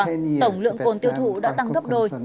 tổng lượng cồn tiêu thụ đã tăng gấp đôi